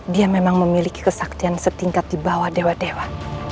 dia memang memiliki kesaktian setingkat di bawah dewa dewa